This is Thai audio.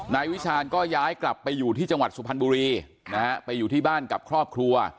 นายวิชาญก็ย้ายกลับไปอยู่ที่จังหวัดสุพรรณบุรีนะฮะไปอยู่ที่บ้านกับครอบครัว